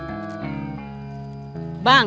ustaz itu bagaimana bang